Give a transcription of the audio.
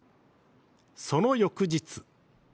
その翌日。